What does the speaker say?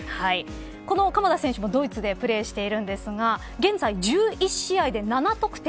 この鎌田選手もドイツでプレーしているんですが現在１１試合で７得点。